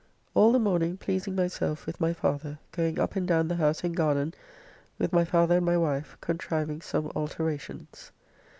All the morning pleasing myself with my father, going up and down the house and garden with my father and my wife, contriving some alterations.